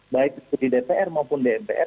baik itu di dpr maupun dpr